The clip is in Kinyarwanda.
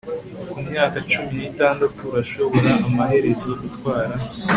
ku myaka cumi n'itandatu, urashobora amaherezo gutwara